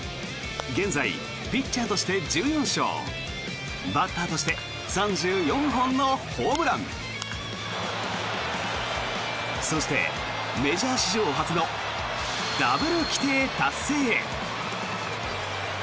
現在、ピッチャーとして１４勝バッターとして３４本のホームランそして、メジャー史上初のダブル規定達成へ。